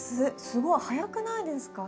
すごい早くないですか？